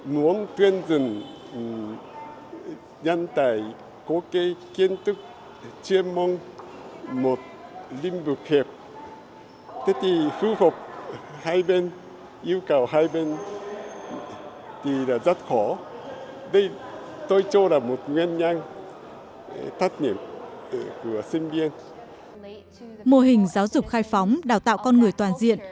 mô hình giáo dục khai phóng đào tạo con người toàn diện